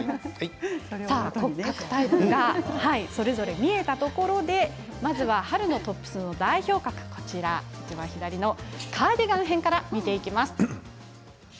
骨格タイプがそれぞれ見えたところでまずは春のトップスの代表格カーディガン編から見ていきます。